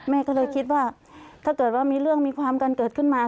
แม่ก็เลยคิดว่าถ้าเกิดว่ามีเรื่องมีความกันเกิดขึ้นมา